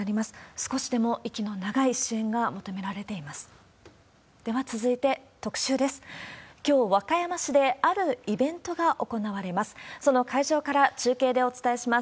少しでも息の長い支援が求められています。